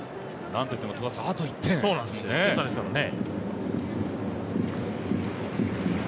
何といってもあと１点、１点差ですからね。